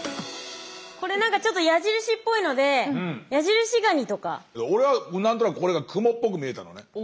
これなんかちょっと矢印っぽいので俺は何となくこれがクモっぽく見えたのね。